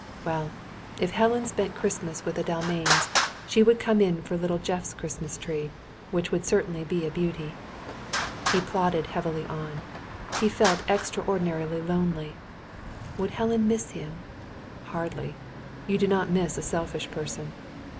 Well, if Helen spent Christmas with the Dalmains, she would come in for little Geoff's Christmas tree, which would certainly be a beauty. He plodded heavily on. He felt extraordinarily lonely. Would Helen miss him? Hardly. You do not miss a selfish person.